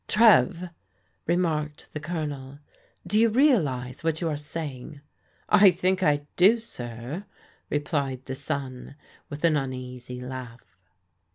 " Trev," remarked the Colonel, " do you realize what you are saying?" "I think I do, sir," replied the son with an uneasy laugh.